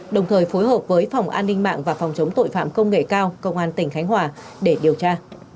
đồng thời phối hợp với phòng an ninh mạng và phòng chống tội phạm công nghệ cao công an tỉnh khánh hòa để điều tra